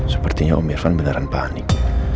sepertinya om irvan benaran panik